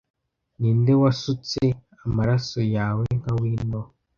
ninde wasutse amaraso yawe nka vino